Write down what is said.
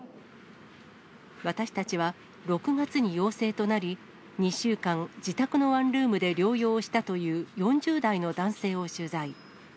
私たちは６月に陽性となり、２週間、自宅のワンルームで療養をしたという４０代の男性を取材。